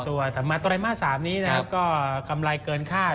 แต่มาตรายมา๓นี้นะครับก็กำไรเกินคาด